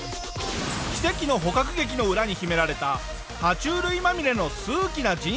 奇跡の捕獲劇の裏に秘められた爬虫類まみれの数奇な人生とは？